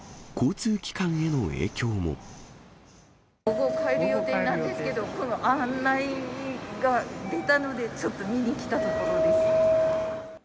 午後、帰る予定なんですけど、案内が出たので、ちょっと見に来たところです。